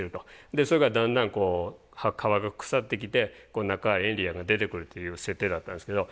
それがだんだんこう皮が腐ってきてこの中エイリアンが出てくるっていう設定だったんですけど。